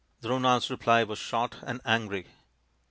Drona J s reply was short and angry.